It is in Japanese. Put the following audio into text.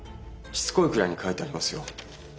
しつこいくらいに書いてありますよ。